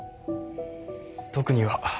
特には。